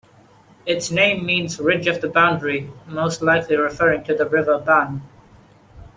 Its name means "ridge of the boundary", most likely referring to the River Bann.